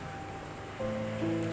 satu dua tiga